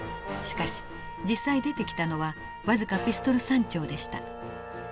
しかし実際出てきたのは僅かピストル３丁でした。